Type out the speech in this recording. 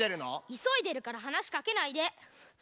いそいでるからはなしかけないで！